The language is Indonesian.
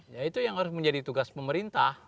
ya itu yang harus menjadi tugas pemerintah